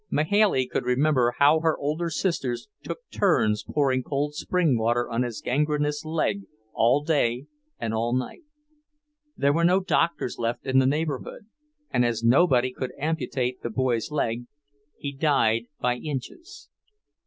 Mahailey could remember how her older sisters took turns pouring cold spring water on his gangrenous leg all day and all night. There were no doctors left in the neighbourhood, and as nobody could amputate the boy's leg, he died by inches.